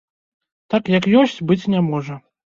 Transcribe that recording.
Так, як ёсць, быць не можа.